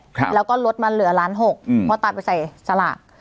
ครับแล้วก็ลดมาเหลือล้านหกอืมพอตายไปใส่สลาก